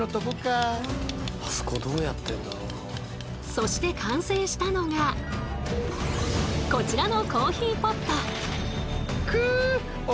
そして完成したのがこちらのコーヒーポット。